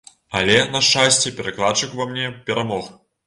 Але, на шчасце, перакладчык ува мне перамог.